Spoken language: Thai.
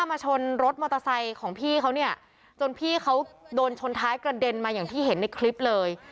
มาชนรถมอเตอร์ไซค์ของพี่เขาเนี่ยจนพี่เขาโดนชนท้ายกระเด็นมาอย่างที่เห็นในคลิปเลย